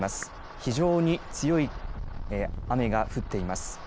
非常に強い雨が降っています。